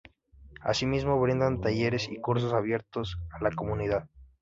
Asimismo, brindan talleres y cursos abiertos a la comunidad.